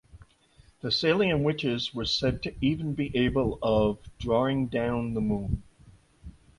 Thessalian witches were said to even be able of drawing down the moon.